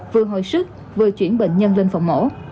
vừa hồi sức vừa chuyển bệnh nhân lên phòng mổ